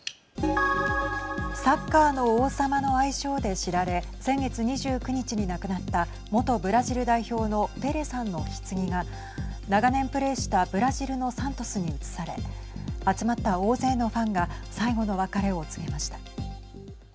サッカーの王様の愛称で知られ先月２９日に亡くなった元ブラジル代表のペレさんのひつぎが長年プレーしたブラジルのサントスに移され集まった大勢のファンが最後の別れを告げました。